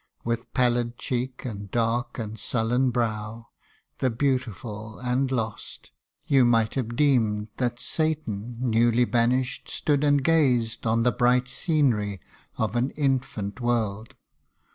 205 With pallid cheek and dark and sullen brow, The beautiful and lost ; you might have deemed That Satan, newly banished, stood and gazed On the bright scenery of an infant world.